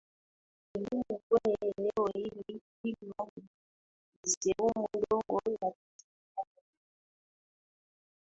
nyingine kwenye eneo hili Kilwa ni sehemu ndogo ya Tanzania lakini ina maeneo